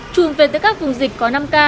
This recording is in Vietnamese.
chùm về tư các vùng dịch có năm ca